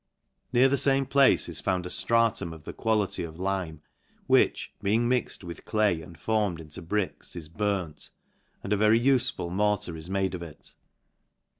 Near the fame place is found a ftratum of the quality of lime, which, being mixed with clay and formed into bricks, is burnt, and a very ufeful mortar is made of it.